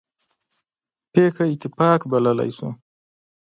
پېښه اتفاق بللی شو.